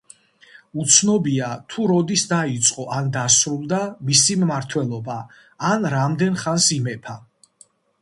უცნობია თუ როდის დაიწყო ან დასრულდა მისი მმართველობა, ან რამდენ ხანს იმეფა.